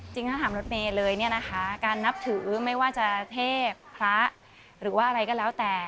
จริงถ้าถามรถเมย์เลยเนี่ยนะคะการนับถือไม่ว่าจะเทพพระหรือว่าอะไรก็แล้วแต่